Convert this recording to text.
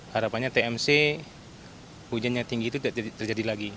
harapannya tmc hujan yang tinggi itu tidak terjadi lagi